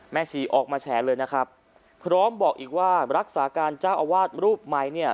ชีออกมาแฉเลยนะครับพร้อมบอกอีกว่ารักษาการเจ้าอาวาสรูปใหม่เนี่ย